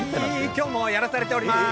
今日もやらされております。